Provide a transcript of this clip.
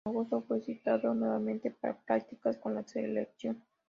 En agosto fue citado nuevamente para practicar con la selección.